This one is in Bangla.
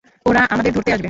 ওরা আমাদের ধরতে আসবে।